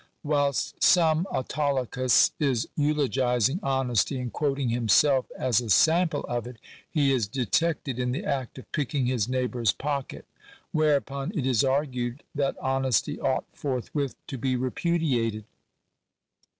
Whilst some Autolycus is eulogizing honesty and quoting himself as a sample of it, he is detected in the act of picking his neighbours pocket; whereupon it is argued that honesty ought forthwith to be repudiated!